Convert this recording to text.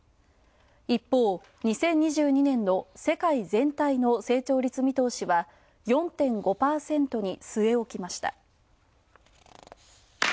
一方、２０２２年の世界全体の成長率見通しは４．５％に据え置きました。